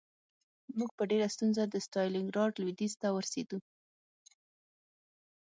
موږ په ډېره ستونزه د ستالینګراډ لویدیځ ته ورسېدو